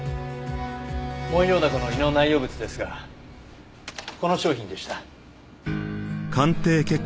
モンヨウダコの胃の内容物ですがこの商品でした。